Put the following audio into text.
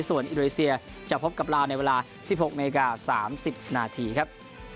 ส่วนอินโดนีเซียจะพบกับลาวในเวลา๑๖นาฬิกา๓๐นาทีครับ